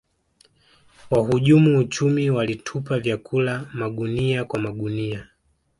wahujumu uchumi walitupa vyakula magunia kwa magunia